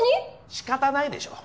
仕方ないでしょ。